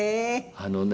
あのね